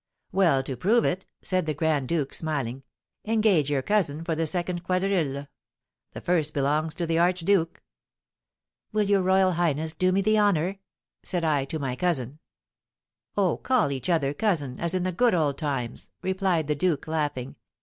"Well, to prove it," said the grand duke, smiling, "engage your cousin for the second quadrille; the first belongs to the archduke." "Will your royal highness do me the honour?" said I to my cousin. "Oh, call each other cousin, as in the good old times," replied the duke, laughing.